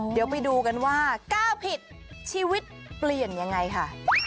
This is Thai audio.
เดี๋ยวไปดูกันว่าก้าวผิดชีวิตเปลี่ยนยังไงค่ะ